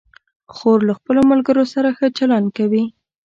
خور له خپلو ملګرو سره ښه چلند کوي.